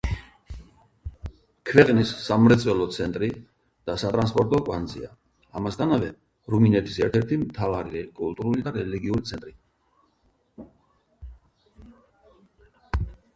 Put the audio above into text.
ქვეყნის სამრეწველო ცენტრი და სატრანსპორტო კვანძია; ამასთანავე, რუმინეთის ერთ-ერთი მთავარი კულტურული და რელიგიური ცენტრი.